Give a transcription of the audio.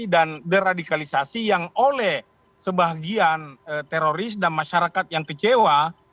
dan deradikalisasi yang oleh sebagian teroris dan masyarakat yang kecewa